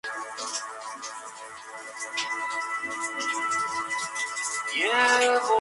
Fue nombrado Shor en honor al astrónomo ruso Viktor Abramovich Shor.